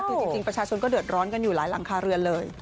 คือจริงประชาชนก็เดือดร้อนกันอยู่หลายหลังคาเรือนเลย